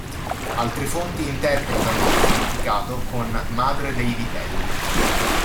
Altre fonti interpretano il significato con "madre dei vitelli".